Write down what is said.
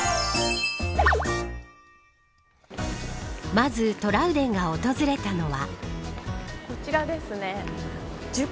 まずトラウデンが訪れたのは。